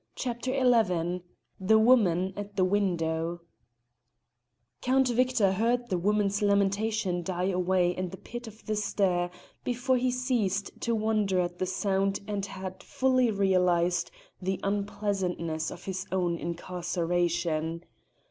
CHAPTER XI THE WOMAN AT THE WINDOW Count Victor heard the woman's lamentation die away in the pit of the stair before he ceased to wonder at the sound and had fully realised the unpleasantness of his own incarceration.